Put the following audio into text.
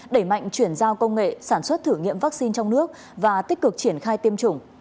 đẩy mạnh chuyển giao công nghệ sản xuất thử nghiệm vaccine trong nước và tích cực triển khai tiêm chủng